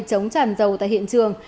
chống tràn dầu tại hiện trường